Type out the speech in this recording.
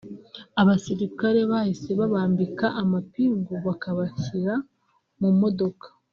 abasirikare bahise babambika amapingu bakabashyira mu modoka